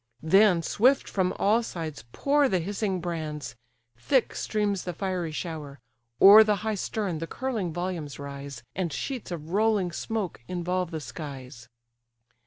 Then swift from all sides pour The hissing brands; thick streams the fiery shower; O'er the high stern the curling volumes rise, And sheets of rolling smoke involve the skies.